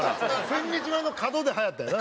千日前の角ではやったよな。